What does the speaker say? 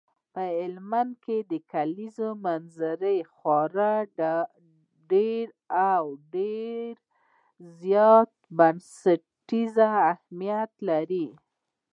په افغانستان کې د کلیزو منظره خورا ډېر او ډېر زیات بنسټیز اهمیت لري.